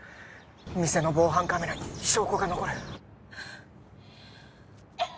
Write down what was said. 店の防犯カメラに証拠が残る